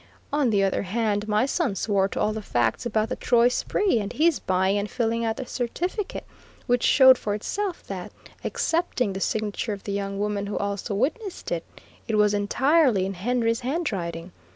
On the other hand, my son swore to all the facts about the Troy spree, and his buying and filling out the certificate, which showed for itself that, excepting the signature of the young woman who also witnessed it, it was entirely in Henry's handwriting.